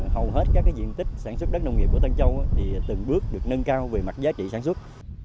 hầu hết các diện tích sản xuất đất nông nghiệp của tân châu từng bước được nâng cao về mặt giá trị sản xuất